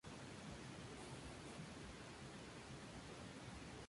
La canción tuvo un gran seguimiento y surgió una serie de versiones y parodias.